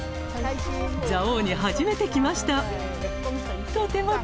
蔵王に初めて来ました。